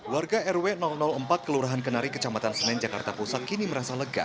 warga rw empat kelurahan kenari kecamatan senen jakarta pusat kini merasa lega